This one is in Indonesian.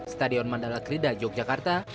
stadion mandala krida yogyakarta